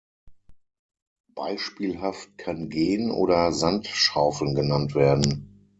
Beispielhaft kann gehen oder Sand schaufeln genannt werden.